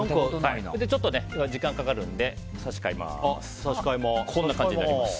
ちょっと時間がかかるので差し替えます。